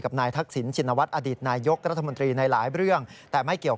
กรณีนี้ทางด้านของประธานกรกฎาได้ออกมาพูดแล้ว